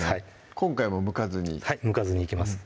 今回もむかずにはいむかずにいきます